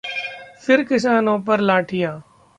फिर किसानों पर लाठियां